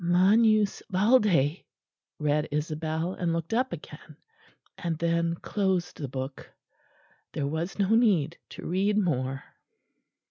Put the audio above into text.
"'... magnus valde,'" read Isabel; and looked up again; and then closed the book. There was no need to read more.